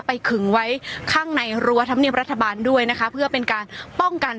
ขึงไว้ข้างในรั้วธรรมเนียบรัฐบาลด้วยนะคะเพื่อเป็นการป้องกัน